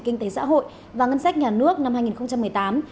kinh tế xã hội và ngân sách nhà nước năm hai nghìn một mươi tám